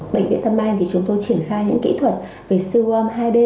bệnh viện đa khoa tâm anh thì chúng tôi triển khai những kỹ thuật về siêu âm hai d